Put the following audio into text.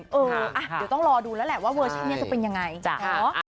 เดี๋ยวต้องรอดูแล้วแหละว่าเวอร์ชันนี้จะเป็นยังไง